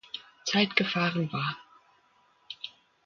Zeit gefahren war.